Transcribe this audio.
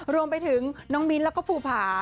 รวมไปถึงน้องมิ้นท์แล้วก็ภูผา